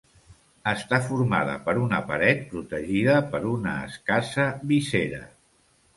Està formada per una paret protegida per una escassa visera.